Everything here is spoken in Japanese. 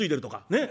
ねっ？